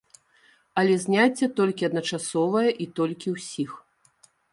Але зняцце толькі адначасовае і толькі ўсіх.